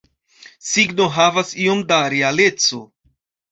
Signo havas iom da realeco.